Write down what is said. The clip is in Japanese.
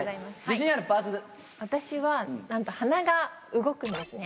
私はなんと鼻が動くんですね。